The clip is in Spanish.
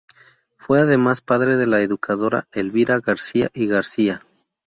Fue además padre de la educadora Elvira García y García.